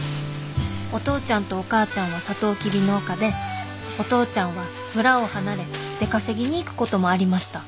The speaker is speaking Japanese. お父ちゃんとお母ちゃんはサトウキビ農家でお父ちゃんは村を離れ出稼ぎに行くこともありました。